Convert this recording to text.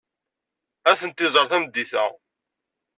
Ad tent-iẓer tameddit-a.